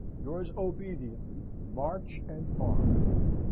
Yours obediently, MARCH AND R.